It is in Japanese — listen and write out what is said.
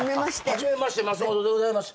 初めまして松本でございます。